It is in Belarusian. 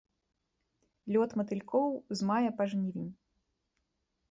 Лёт матылькоў з мая па жнівень.